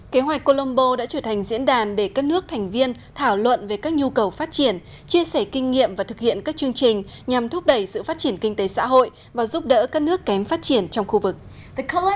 kế hoạch colombo đã trở thành diễn đàn để các nước thành viên thảo luận về các nhu cầu phát triển chia sẻ kinh nghiệm và thực hiện các chương trình nhằm thúc đẩy sự phát triển kinh tế xã hội và giúp đỡ các nước kém phát triển trong khu vực